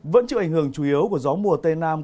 vẫn chịu ảnh hưởng chủ yếu của gió mùa tây nam